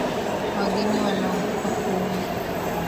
Wageni wanaogopa kuumwa.